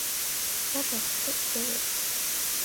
და დაგვრჩა კიდევ ერთი.